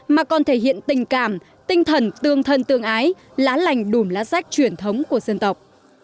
mà còn thể hiện tình cảm tinh thần tương thân tương ái lá lành đùm lá rách truyền thống của dân tộc